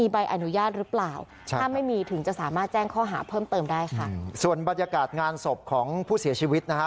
บรรยากาศงานศพของผู้เสียชีวิตนะฮะ